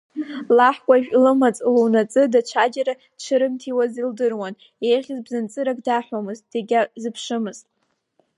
Лаҳкәажә лымаҵ луанаҵы, даҽаџьара дшырымҭиуаз лдыруан, еиӷьыз бзанҵырак даҳәомызт, дагьазԥшымызт.